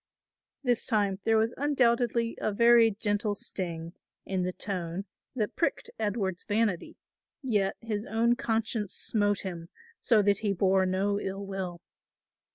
This time there was undoubtedly a very gentle sting in the tone that pricked Edward's vanity; yet his own conscience smote him, so that he bore no ill will.